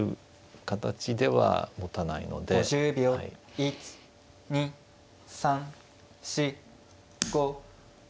１２３４５。